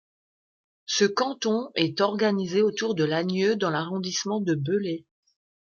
Ce canton est organisé autour de Lagnieu dans l'arrondissement de Belley.